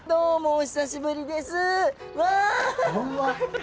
お久しぶりです